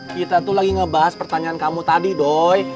kita tuh lagi ngebahas pertanyaan kamu tadi doy